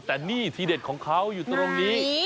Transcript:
แต่นี่ทีเด็ดของเขาอยู่ตรงนี้